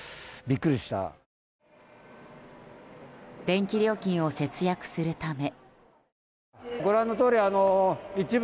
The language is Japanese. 電気料金を節約するため。